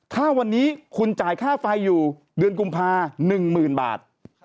ถ้าวันนี้คุณจ่ายค่าไฟอยู่เดือนกุมภา๑๐๐๐บาท